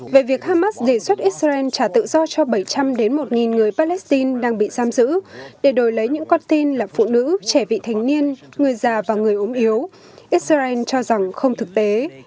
về việc hamas đề xuất israel trả tự do cho bảy trăm linh đến một người palestine đang bị giam giữ để đổi lấy những con tin là phụ nữ trẻ vị thành niên người già và người ốm yếu israel cho rằng không thực tế